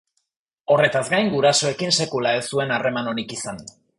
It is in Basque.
Horretaz gain, gurasoekin sekula ez zuen harreman onik izan.